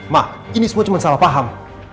mak ini semua cuma salah paham